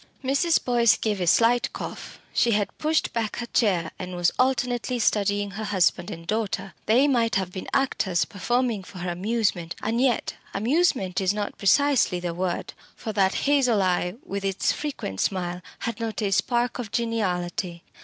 Mrs. Boyce gave a slight cough she had pushed back her chair, and was alternately studying her husband and daughter. They might have been actors performing for her amusement. And yet, amusement is not precisely the word. For that hazel eye, with its frequent smile, had not a spark of geniality.